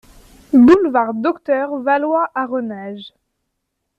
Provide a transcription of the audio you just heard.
Boulevard Docteur Valois à Renage